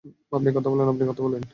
আপনি কথা বলেন।